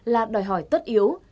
là đòi hỏi tất yếu